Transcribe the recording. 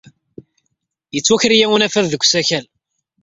Yettwaker-iyi unafad deg usakal.